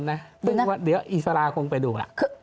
สิ่งนั้นเดี๋ยวอิสราคงไปดู